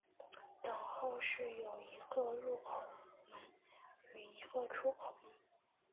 等候室有一个入口门与一个出口门。